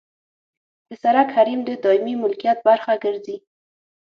د سرک حریم د دایمي ملکیت برخه ګرځي